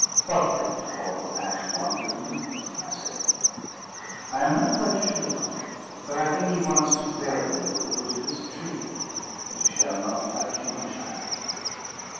"What did the horrible Ash want with me?" I said. "I am not quite sure, but I think he wants to bury you at the foot of his tree. But he shall not touch you, my child."